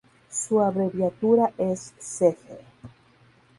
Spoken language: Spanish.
Su abreviatura es cg.